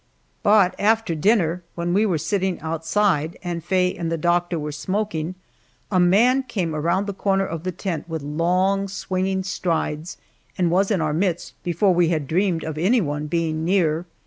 But after dinner, when we were sitting outside and Faye and the doctor were smoking, a man came around the corner of the tent with long, swinging strides, and was in our midst before we had dreamed of anyone being near.